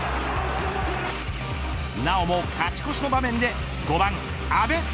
なおも勝ち越しの場面で５番、阿部